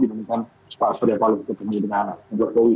bukan pak surya palo ketemu dengan jokowi